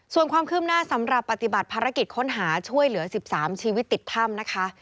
ส่วนความคืบหน้าสำหรับปฏิบัติภารกิจค้นหาช่วยเหลือ๑๓ชีวิตติดถ้ำนะคะ